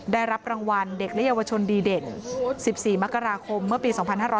ได้รับรางวัลเด็กและเยาวชนดีเด่น๑๔มกราคมเมื่อปี๒๕๕๙